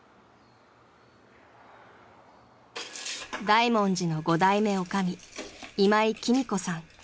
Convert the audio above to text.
［大文字の５代目女将今井貴美子さん］